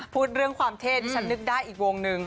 พูดเรื่องความเทศที่ฉันนึกได้อีกวงหนึ่ง